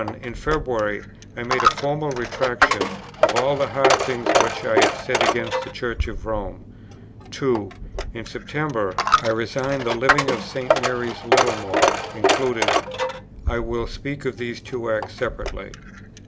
In February, I made a formal Retractation of all the hard things which I had said against the Church of Rome. 2. In September, I resigned the Living of St. Mary's, Littlemore included: I will speak of these two acts separately.